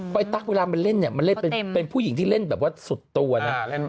เพราะไอ้ตั๊กเวลามาเล่นมันเป็นผู้หญิงที่เล่นแบบว่าสุดตัวน่ะ